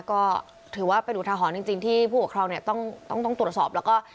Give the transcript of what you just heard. ก็ถือว่าเป็นอุทาหรณ์จริงจริงที่ผู้หังเนี่ยต้องต้องตรวจสอบแล้วก็